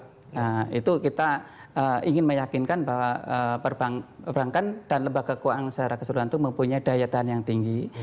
nah itu kita ingin meyakinkan bahwa perbankan dan lembaga keuangan secara keseluruhan itu mempunyai daya tahan yang tinggi